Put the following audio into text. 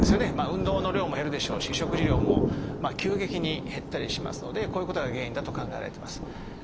運動の量も減るでしょうし食事量も急激に減ったりしますのでこういうことが原因だと考えられてます。